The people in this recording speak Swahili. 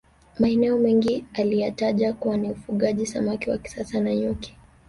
Maeneo mengine aliyataja kuwa ni ufugaji samaki wa kisasa na nyuki